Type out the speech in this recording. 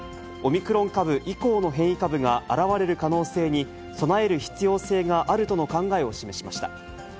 オミクロン株以降の変異株が現れる可能性に備える必要性があるとの考えを示しました。